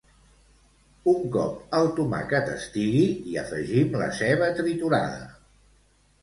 Un cop el tomàquet estigui, hi afegim la ceba triturada.